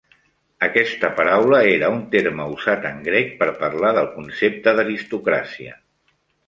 Aquesta paraula era un terme usat en grec per parlar del concepte d'aristocràcia".